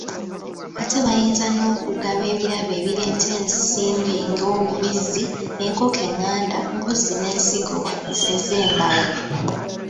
Ate bayinza n’okugaba ebirabo ebireeta ensimbi ng’obubizzi, enkoko eng’anda, mpozzi n’ensigo ez'embala.